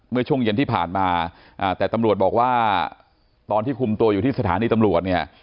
เมื่อช่วงเย็นที่ผ่านมาแต่ตำรวจบอกว่าตอนที่คุมตัวอยู่ที่สถานีตำรวจเนี่ย